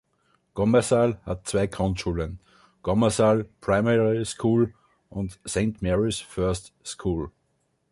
Gomersal hat zwei Grundschulen: Gomersal Primary School und Saint Mary's First School.